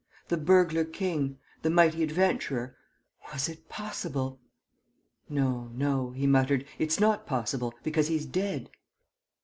The burglar king, the mighty adventurer! Was it possible? "No, no," he muttered, "it's not possible, because he's dead!"